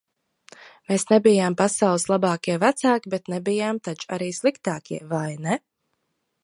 Mēs nebijām pasaules labākie vecāki, bet nebijām taču arī sliktākie, vai ne?